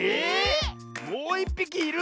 もういっぴきいる⁉